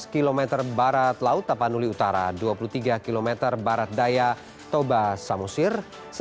lima belas km barat laut tapanuli utara dua puluh tiga km barat daya toba samosir